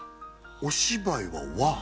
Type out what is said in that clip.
お芝居は和？